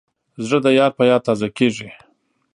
زړه د یار په یاد تازه کېږي.